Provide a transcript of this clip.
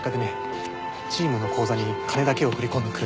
チームの口座に金だけを振り込んでくるんです。